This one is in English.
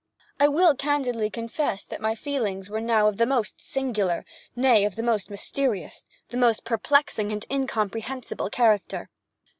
I will candidly confess that my feelings were now of the most singular—nay, of the most mysterious, the most perplexing and incomprehensible character.